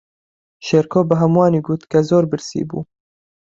شێرکۆ بە ھەمووانی گوت کە زۆر برسی بوو.